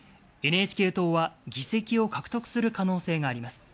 ＮＨＫ党は議席を獲得する可能性があります。